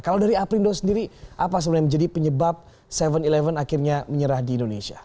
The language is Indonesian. kalau dari aprindo sendiri apa sebenarnya menjadi penyebab tujuh sebelas akhirnya menyerah di indonesia